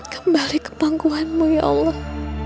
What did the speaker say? kembali ke pangkuhanmu ya allah